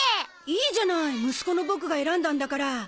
いいじゃない息子のボクが選んだんだから。